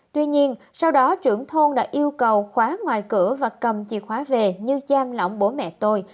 tuy nhiên sau đó trưởng thôn đã yêu cầu khóa ngoài cửa và cầm chìa khóa về như cham lõng bố mẹ tôi